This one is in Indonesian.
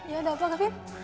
ya ada apa gaby